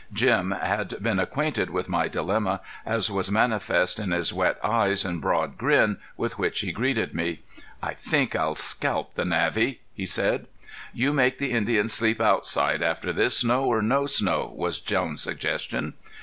Jim had been acquainted with my dilemma, as was manifest in his wet eyes and broad grin with which he greeted me. "I think I'd scalp the Navvy," he said. "You make the Indian sleep outside after this, snow or no snow," was Jones' suggestion.